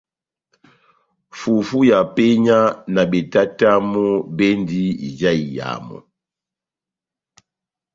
Fufu ya penya na betatamu bendi ija iyamu.